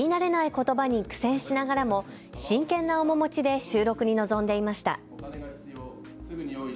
ことばに苦戦しながらも真剣な面持ちで収録に臨んでいました。